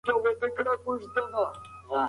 اوسنۍ مطالعه تر پخوانۍ هغې منظمه ده.